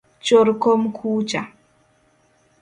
Chor kom kucha